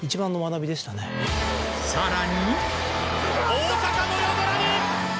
大阪の夜空に。